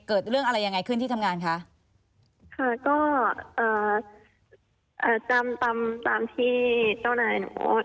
เกิดเรื่องอะไรยังไงขึ้นที่ทำงานคะค่ะก็เอ่อจำตามตามที่เจ้านายหนูว่า